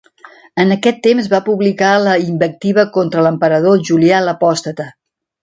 En aquest temps va publicar la invectiva contra l'emperador Julià l'Apòstata.